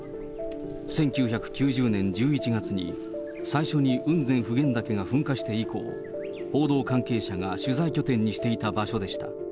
１９９０年１１月に、最初に雲仙・普賢岳が噴火して以降、報道関係者が取材拠点にしていた場所でした。